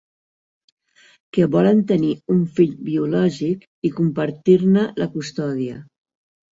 Que volen tenir un fill biològic i compartir-ne la custòdia.